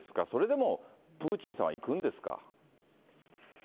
それでもプーチンさんはいくんですか？